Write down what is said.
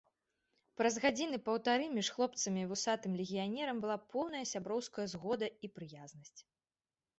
Праз гадзіны паўтары між хлопцамі і вусатым легіянерам была поўная сяброўская згода і прыязнасць.